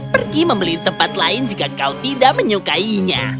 pergi membeli tempat lain jika kau tidak menyukainya